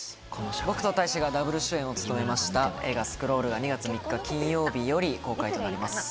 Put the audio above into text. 僕と大志がダブル主演を務めました映画『スクロール』が２月３日金曜日より公開となります。